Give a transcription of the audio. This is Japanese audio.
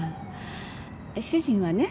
主人はね